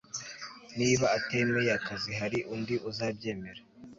Niba atemeye akazi hari undi uzabyemera